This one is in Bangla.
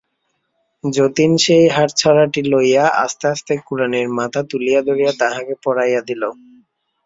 যতীন সেই হারছাড়াটি লইয়া আস্তে আস্তে কুড়ানির মাথা তুলিয়া ধরিয়া তাহাকে পরাইয়া দিল।